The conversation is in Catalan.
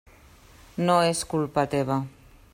No és culpa teva.